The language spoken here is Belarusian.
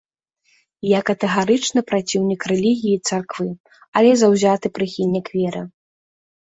Я катэгарычны праціўнік рэлігіі і царквы, але заўзяты прыхільнік веры.